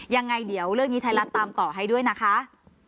ยังไงเดี๋ยวเรื่องนี้ไทยรัฐตามต่อให้ด้วยนะคะ